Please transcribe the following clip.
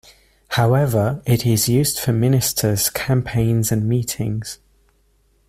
However, It is used for ministers campaigns and meetings.